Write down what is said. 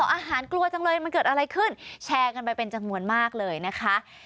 อาหารกลัวจังเลยมันเกิดอะไรขึ้นแชร์กันไปเป็นจำนวนมากเลยนะคะ